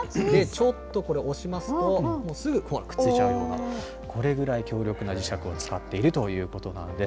ちょっとこれ、押しますと、もう、すぐ、ほらくっついちゃうような、これぐらい強力な磁石を使っているということなんです。